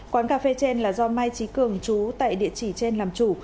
quán cà phê trên là do mai trí cường chú tại địa chỉ trên làm chủ